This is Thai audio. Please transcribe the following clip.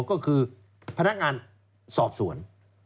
ก็คือพนักงานสอบสวน